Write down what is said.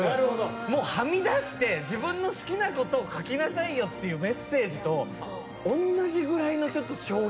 もうはみ出して自分の好きなことを描きなさいよっていうメッセージとおんなじぐらいの衝撃。